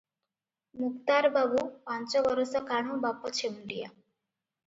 ମୁକ୍ତାରବାବୁ ପାଞ୍ଚ ବରଷ କାଳୁଁ ବାପ ଛେଉଣ୍ଡିଆ ।